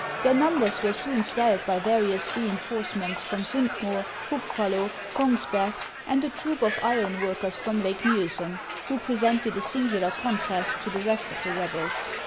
Their numbers were soon swelled by various reinforcements from Stmd Moer, Hub fallo, Kongsberg, and a troop of iron workers from Lake Miosen, who presented a singular contrast to the rest of the rebels.